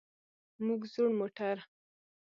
موږ زوړ موټر.